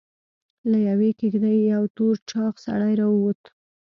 له يوې کېږدۍ يو تور چاغ سړی راووت.